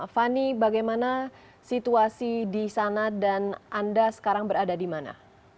fani bagaimana situasi di sana dan anda sekarang berada di mana